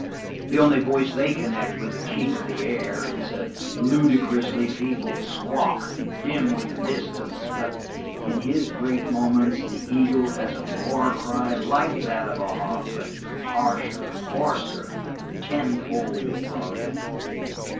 The only voice they connect with the kind of the air is a ludicrously feeble squawk, dim with distance, but in his great moments the eagle has a war cry like that of the hawk, but harsher, hoarser, tenfold in volume.